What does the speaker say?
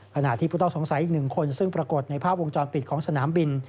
ขณะที่ผู้ต้องสงสัยอีก๑คนซึ่งปรากฏในภาพวงจรปิดของสนามบิน